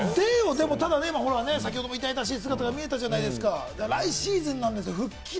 でも先ほども痛々しい姿、見えたじゃないですか。